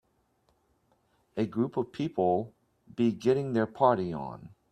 A group of people be getting their party on.